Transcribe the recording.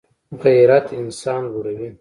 غیرت انسان لوړوي